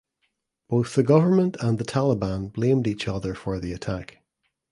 Both the government and the Taliban blamed each other for the attack.